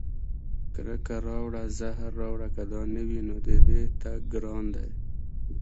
کرکه راوړه زهر راوړه که دا نه وي، نو د دې تګ ګران دی